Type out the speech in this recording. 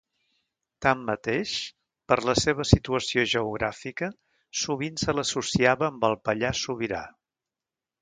Tanmateix, per la seva situació geogràfica, sovint se l'associava amb el Pallars Sobirà.